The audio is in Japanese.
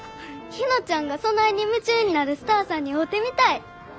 ひなちゃんがそないに夢中になるスターさんに会うてみたい。